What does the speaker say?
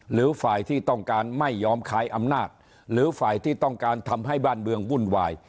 หรือฝ่ายที่ต้องการไม่ยอมขายอำนาจหรือฝ่ายที่ต้องการทำให้บ้านเมืองวุ่นวาย